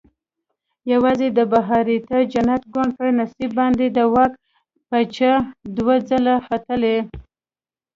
یوازې د بهاریته جنت ګوند په نصیب باندې د واک پچه دوه ځله ختلې.